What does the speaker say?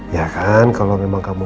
ya kan kalau memang kamu